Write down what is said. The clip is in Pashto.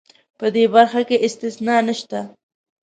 په دې برخه کې استثنا نشته.